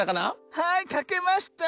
はいかけました！